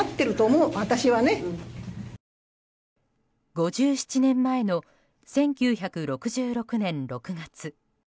５７年前の１９６６年６月。